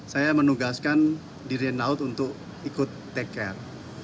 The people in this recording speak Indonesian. saya menugaskan dirjen laut untuk ikut take care